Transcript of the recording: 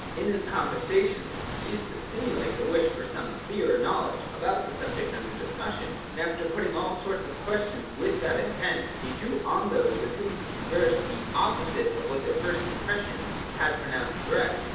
In his conversations he used to simulate the wish for some clearer knowledge about the subject under discussion, and after putting all sorts of questions with that intent, he drew on those with whom he conversed to the opposite of what their first im pressions had pronounced correct.